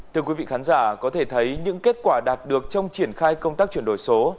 thưa quý vị khán giả có thể thấy những kết quả đạt được trong triển khai công tác chuyển đổi số